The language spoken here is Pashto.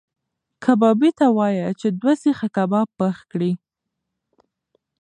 کبابي ته وایه چې دوه سیخه کباب پخ کړي.